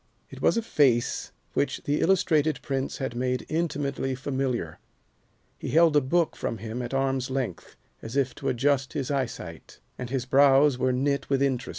It was a face which the illustrated prints had made intimately familiar. He held a book from him at arm's length, as if to adjust his eyesight, and his brows were knit with interest.